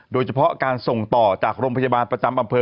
โดยเฉพาะการส่งต่อจากโรงพยาบาลประจำอำเภอ